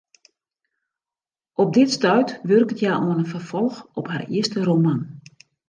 Op dit stuit wurket hja oan in ferfolch op har earste roman.